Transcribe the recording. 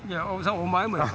お前もや！